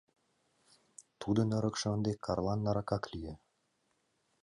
Тудын эрыкше ынде Карлан нарракак лие.